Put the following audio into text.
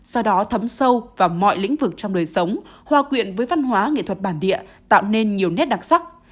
sau đó thấm sâu vào mọi lĩnh vực trong đời sống hòa quyện với văn hóa nghệ thuật bản địa tạo nên nhiều nét đặc sắc